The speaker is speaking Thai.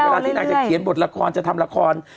ที่นางจะเขียนบทละครจะทำละคร